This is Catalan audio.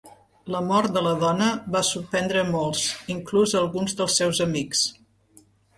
La mort de la dona va sorprendre a molts, inclús a alguns dels seus amics.